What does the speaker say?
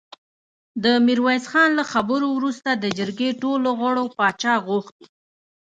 د ميرويس خان له خبرو وروسته د جرګې ټولو غړو پاچا غوښت.